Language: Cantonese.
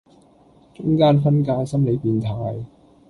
中間分界心理變態